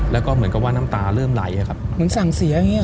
แล้วก็เหมือนกับว่าน้ำตาเริ่มไหลอะครับเหมือนสั่งเสียอย่างเงี้